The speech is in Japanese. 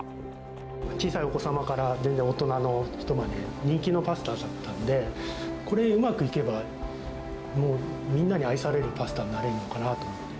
小さいお子様から全然大人の人まで、人気のパスタだったので、これ、うまくいけば、もうみんなに愛されるパスタになれるのかなと思って。